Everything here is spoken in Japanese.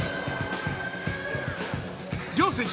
両選手